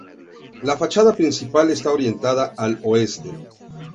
La fachada principal está orientada al oeste.